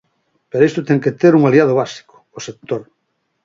Pero isto ten que ter un aliado básico: o sector.